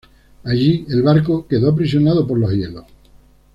Allí el barco quedó aprisionado por los hielos.